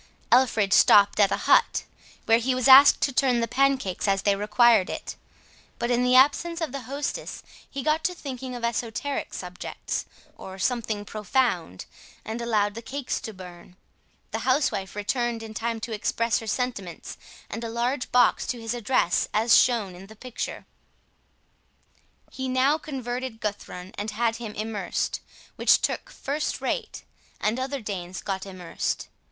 _, Alfred stopped at a hut, where he was asked to turn the pancakes as they required it; but in the absence of the hostess he got to thinking of esoteric subjects, or something profound, and allowed the cakes to burn. The housewife returned in time to express her sentiments and a large box to his address as shown in the picture. [Illustration: ALFRED LETTING THE CAKES BURN.] He now converted Guthrun and had him immersed, which took first rate, and other Danes got immersed.